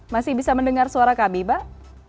masih bisa mendengar suara kami pak